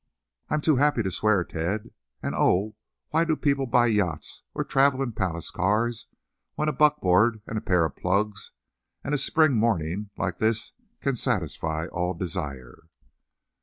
"I'm too happy to swear, Ted. Oh, why do people buy yachts or travel in palace cars, when a buckboard and a pair of plugs and a spring morning like this can satisfy all desire?"